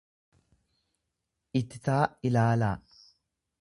ititaa ilaalaa.